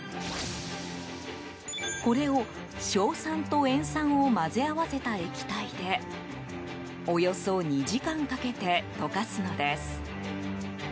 これを硝酸と塩酸を混ぜ合わせた液体でおよそ２時間かけて溶かすのです。